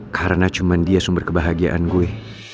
karena cuma dia sumber kebahagiaan gue